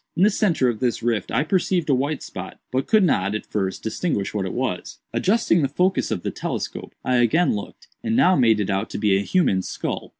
In the centre of this rift I perceived a white spot, but could not, at first, distinguish what it was. Adjusting the focus of the telescope, I again looked, and now made it out to be a human skull.